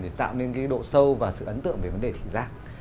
để tạo nên cái độ sâu và sự ấn tượng về vấn đề thị giác